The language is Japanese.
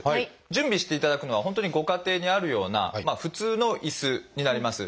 準備していただくのは本当にご家庭にあるような普通の椅子になります。